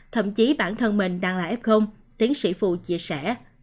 thậm chí bản thân mình đang là f tiến sĩ phù chia sẻ